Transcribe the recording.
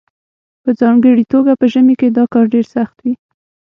په ځانګړې توګه په ژمي کې دا کار ډیر سخت وي